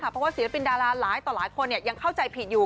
เพราะว่าศิลปินดาราหลายต่อหลายคนยังเข้าใจผิดอยู่